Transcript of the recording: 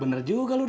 bener juga lu dad